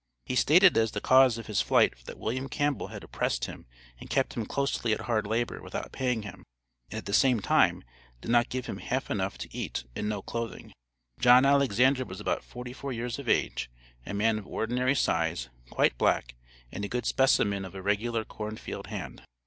He stated as the cause of his flight that William Campbell had oppressed him and kept him closely at hard labor without paying him, and at the same time "did not give him half enough to eat, and no clothing." John Alexander was about forty four years of age, a man of ordinary size, quite black, and a good specimen of a regular corn field hand.